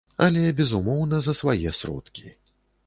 Але, безумоўна, за свае сродкі.